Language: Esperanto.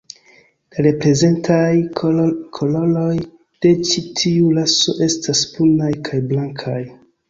La reprezentaj koloroj de ĉi tiu raso estas brunaj kaj blankaj.